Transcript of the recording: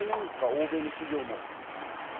欧米の企業も。